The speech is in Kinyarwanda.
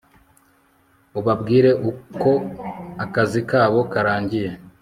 ubabwire ko akazi kabo karangiye